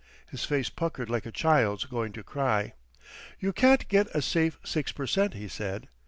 His face puckered like a child's going to cry. "You can't get a safe six per cent.," he said.